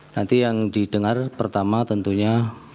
nanti yang didengar pertama tentunya